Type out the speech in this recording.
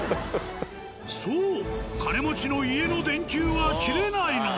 そう金持ちの家の電球は切れないのだ。